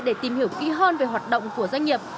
để tìm hiểu kỹ hơn về hoạt động của doanh nghiệp